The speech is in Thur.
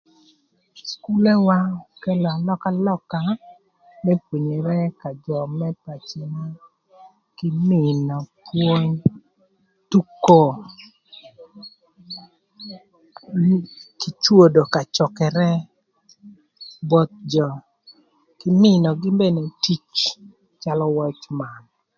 Cukulewa kelo alökalöka më pwonyere ka jö më paciwa kï mïö pwony, tuko kï cwodo ka cökërë both jö kï mïögï mene tic calö wocman.